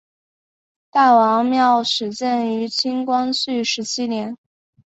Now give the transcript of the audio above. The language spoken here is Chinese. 大王庙始建于清光绪十七年。